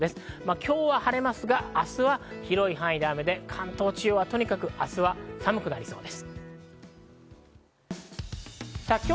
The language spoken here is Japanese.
今日は晴れますが、明日は広い範囲で雨、関東地方は特に明日は寒くなりそうです。